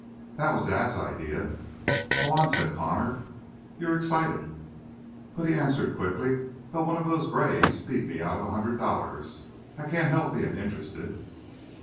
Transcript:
"That was Dad's idea." "Go on," said Connor. "You're excited?" But he answered quickly: "Well, one of those grays beat me out of a hundred dollars. I can't help being interested."